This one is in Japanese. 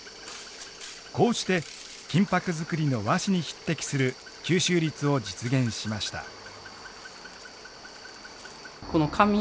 こうして金箔作りの和紙に匹敵する吸収率を実現しました。